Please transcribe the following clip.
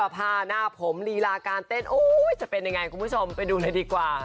ผ้าหน้าผมลีลาการเต้นจะเป็นยังไงคุณผู้ชมไปดูเลยดีกว่า